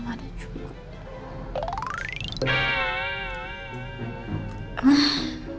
mama ada jumlah